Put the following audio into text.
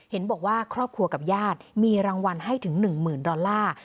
เห็นบอกว่าครอบครัวกับญาติมีรางวัลให้ถึง๑๐๐๐ดอลลาร์